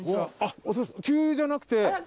給油じゃなくて。